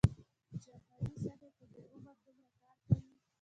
جهاني صاحب په دې عمر دومره کار کوي.